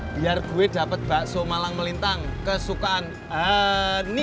biar gue dapet bakso malang melintang kesukaan ani